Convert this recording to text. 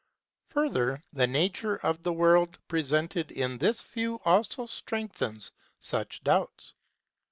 Further, the nature of the world presente< in this view also strengthens such doubts.